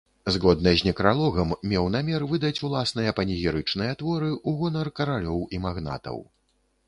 Згодна з некралогам меў намер выдаць ўласныя панегірычныя творы у гонар каралёў і магнатаў.